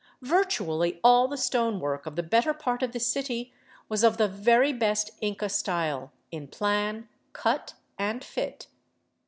Virtually all the stone work of the better part of the city was of the very best " Inca style " in plan, cut, and fit.